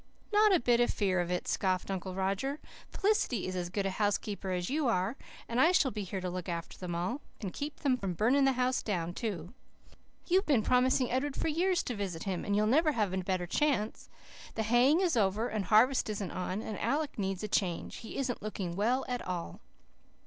"Not a bit of fear of it," scoffed Uncle Roger. "Felicity is as good a housekeeper as you are; and I shall be here to look after them all, and keep them from burning the house down. You've been promising Edward for years to visit him, and you'll never have a better chance. The haying is over and harvest isn't on, and Alec needs a change. He isn't looking well at all."